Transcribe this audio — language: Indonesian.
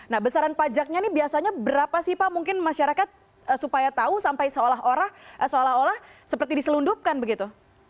nah besaran pajaknya ini biasanya berapa sih pak mungkin masyarakat supaya tahu sampai seolah olah seperti diselundupkan begitu